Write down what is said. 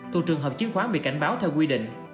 thuộc trường hợp chiến khoán bị cảnh báo theo quy định